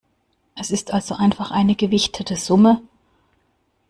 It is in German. Es ist also einfach eine gewichtete Summe.